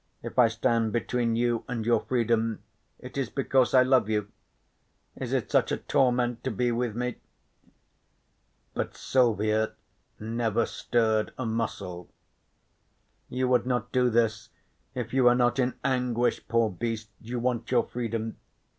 If I stand between you and your freedom it is because I love you. Is it such torment to be with me?" But Silvia never stirred a muscle. "You would not do this if you were not in anguish, poor beast, you want your freedom.